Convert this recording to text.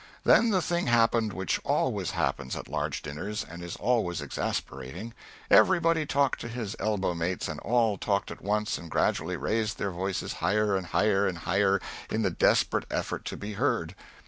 Then the thing happened which always happens at large dinners, and is always exasperating: everybody talked to his elbow mates and all talked at once, and gradually raised their voices higher, and higher, and higher, in the desperate effort to be heard.